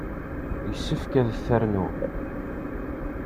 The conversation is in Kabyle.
Yessefk ad t-rnuɣ.